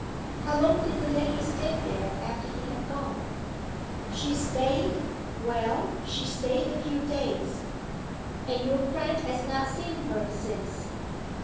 "How long did the lady stay there, after he had gone?" "She staid well, she staid a few days." "And your friend has not seen her since?"